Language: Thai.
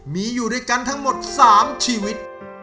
มีอยู่ด้วยกันทั้งหมด๓ชีวิต